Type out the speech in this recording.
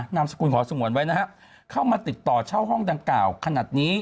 นามสกุลขอสงวนไว้นะฮะเข้ามาติดต่อเช่าห้องดังกล่าวขนาดนี้